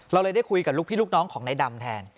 เราเลยได้คุยกับลูกพี่ลูกน้องของนายดำแทน